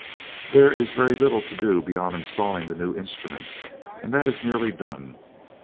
"There is very little to do beyond installing the new instruments; and that is nearly done.